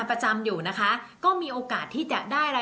ส่งผลทำให้ดวงชาวราศีมีนดีแบบสุดเลยนะคะ